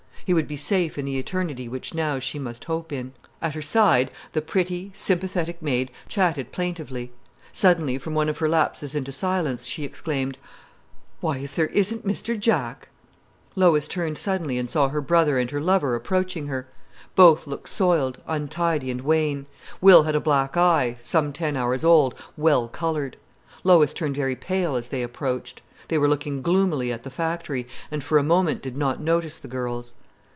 He would be safe in the eternity which now she must hope in. At her side the pretty, sympathetic maid chatted plaintively. Suddenly, from one of her lapses into silence, she exclaimed: "Why if there isn't Mr Jack!" Lois turned suddenly and saw her brother and her lover approaching her. Both looked soiled, untidy and wan. Will had a black eye, some ten hours old, well coloured. Lois turned very pale as they approached. They were looking gloomily at the factory, and for a moment did not notice the girls.